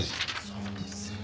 そうです。